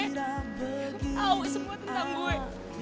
nggak tau semua tentang gue